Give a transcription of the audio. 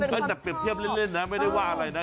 ก็จากเปรียบเทียบเล่นนะไม่ได้ว่าอะไรนะ